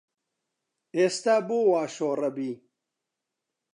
ئێستە بۆ وا شۆڕەبی